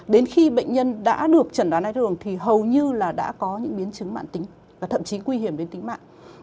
đến khi bệnh nhân đã được chẩn đoán a thường thì hầu như là đã có những biến chứng mạng tính và thậm chí nguy hiểm đến tính mạng